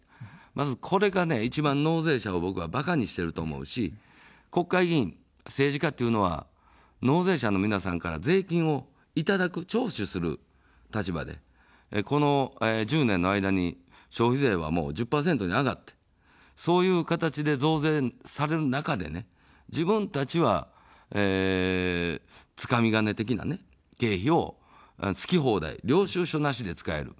まずこれが一番、納税者を僕はバカにしてると思うし、国会議員、政治家というのは納税者の皆さんから税金をいただく、徴収する立場で、この１０年の間に消費税は１０％に上がって、そういう形で増税される中で、自分たちは、つかみ金的な経費を好き放題、領収書なしで使える。